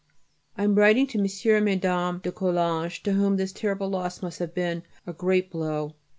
I am writing to M. and Mme. de Coulanges, to whom this terrible loss must have been a great blow.